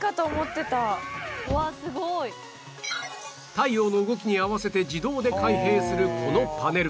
太陽の動きに合わせて自動で開閉するこのパネル